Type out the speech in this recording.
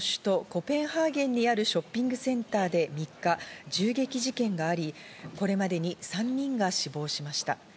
コペンハーゲンにあるショッピングセンターで３日、銃撃事件があり、これまでに３人が死亡しました。